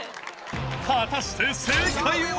果たして正解は？